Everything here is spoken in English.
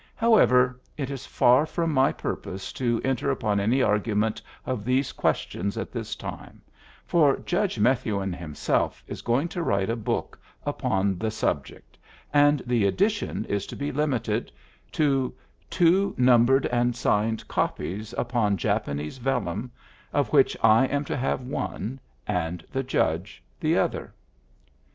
However, it is far from my purpose to enter upon any argument of these questions at this time, for Judge Methuen himself is going to write a book upon the subject, and the edition is to be limited to two numbered and signed copies upon Japanese vellum, of which I am to have one and the Judge the other.